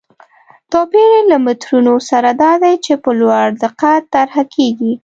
توپیر یې له مترونو سره دا دی چې په لوړ دقت طرحه کېږي.